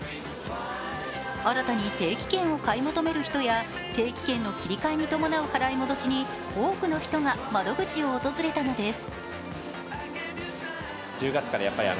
新たに定期券を買い求める人や定期券の切り替えに伴う払い戻しに多くの人が窓口を訪れたのです。